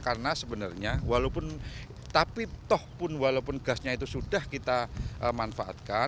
karena sebenarnya walaupun tapi toh pun walaupun gasnya itu sudah kita manfaatkan